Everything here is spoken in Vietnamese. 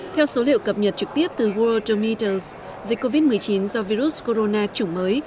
theo số liệu cập nhật trực tiếp từ worldometers dịch covid một mươi chín do virus corona chủng mới